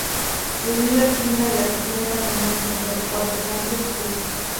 Debido al clima de la región era común encontrar cuartos amplios y frescos.